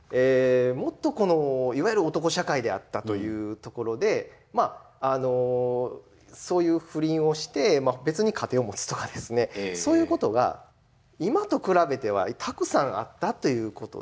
もっとこのいわゆる男社会であったというところでそういう不倫をして別に家庭を持つとかですねそういうことが今と比べてはたくさんあったということで。